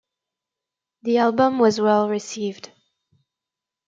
The album was well received.